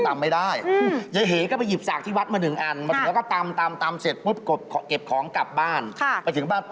ไม่งั้นตำไม่ได้